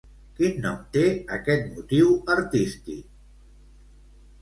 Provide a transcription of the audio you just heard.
Quin nom té aquest motiu artístic?